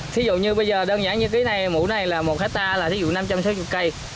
thí dụ như bây giờ đơn giản như cái này mù này là một hectare là thí dụ năm trăm sáu mươi cây